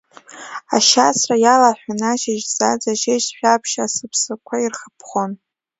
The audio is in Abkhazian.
Ашьацра илаҳәҳәын ашьыжь ӡаӡа, шьыжь шәаԥшь асыԥсақәа ирхаԥхон.